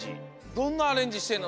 どんなアレンジしてんの？